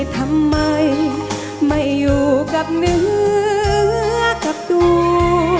ทำไมไม่อยู่กับเนื้อกับตัว